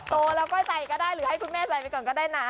โตแล้วก็ใส่ก็ได้หรือให้คุณแม่ใส่ไปก่อนก็ได้นะ